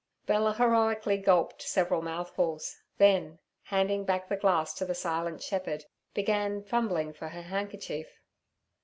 Bella heroically gulped several mouthfuls; then, handing back the glass to the silent shepherd, began fumbling for her handkerchief.